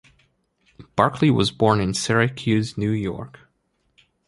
Barclay was born in Syracuse, New York.